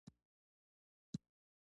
نویو کړنلارو ته اړتیا لرو.